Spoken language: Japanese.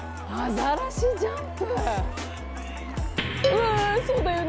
うわそうだよね。